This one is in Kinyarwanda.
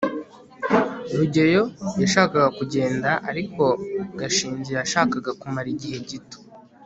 rugeyo yashakaga kugenda, ariko gashinzi yashakaga kumara igihe gito